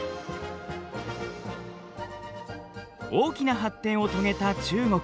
大きな発展を遂げた中国。